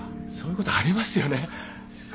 そういうことありますよね。